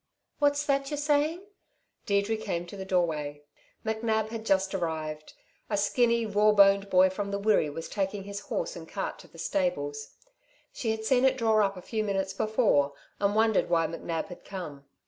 "What's that you're saying?" Deirdre came to the doorway. McNab had just arrived. A skinny, raw boned boy from the Wirree was taking his horse and cart to the stables. She had seen it draw up a few minutes before and wondered why McNab had come.